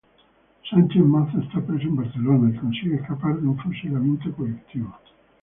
Sánchez Mazas está preso en Barcelona, y consigue escapar de un fusilamiento colectivo.